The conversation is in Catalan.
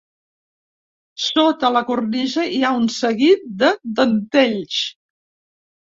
Sota la cornisa hi ha un seguit de dentells.